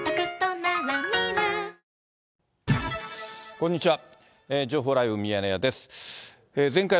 こんにちは。